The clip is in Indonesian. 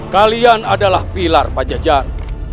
kalian adalah pilar pajajar